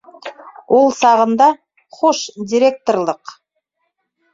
Ул сағында, хуш, директорлыҡ!